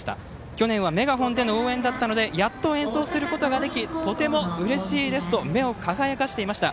去年はメガホンでの応援だったのでやっと演奏することができとてもうれしいですと目を輝かせていました。